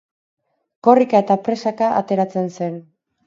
Korrika eta presaka ateratzen zen.